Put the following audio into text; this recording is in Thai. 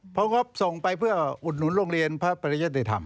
เพราะงบส่งไปเพื่ออุดหนุนโรงเรียนพระปริยติธรรม